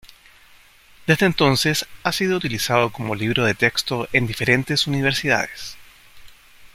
Desde entonces ha sido utilizado como libro de texto en diferentes universidades.